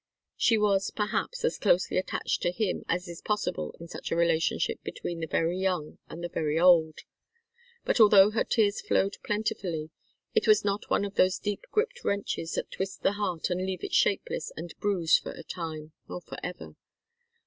She was, perhaps, as closely attached to him as is possible in such a relationship between the very young and the very old. But although her tears flowed plentifully, it was not one of those deep gripped wrenches that twist the heart and leave it shapeless and bruised for a time or forever.